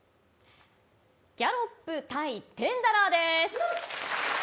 ギャロップ対テンダラーです。